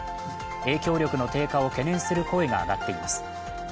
影響力の低下を懸念する声が上がっています。